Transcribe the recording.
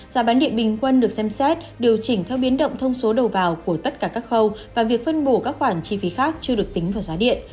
giá bán điện bình quân được xem xét điều chỉnh theo biến động thông số đầu vào của tất cả các khâu và việc phân bổ các khoản chi phí khác chưa được tính vào giá điện